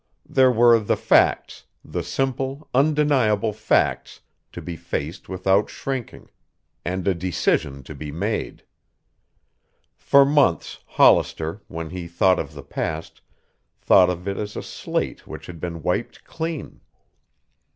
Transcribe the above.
There were the facts, the simple, undeniable facts, to be faced without shrinking, and a decision to be made. For months Hollister, when he thought of the past, thought of it as a slate which had been wiped clean.